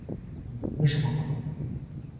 你们为什么哭？